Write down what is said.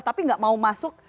tapi gak mau masuk